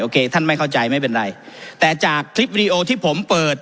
ท่านไม่เข้าใจไม่เป็นไรแต่จากคลิปวิดีโอที่ผมเปิด